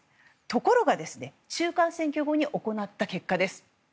ところが、中間選挙後に行った結果です。